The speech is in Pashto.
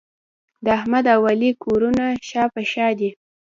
د احمد او علي کورونه شا په شا دي.